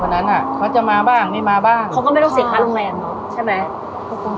คนนั้นน่ะเขาจะมาบ้างไม่มาบ้างเขาก็ไม่ต้องเสียจากโรงแรมพอ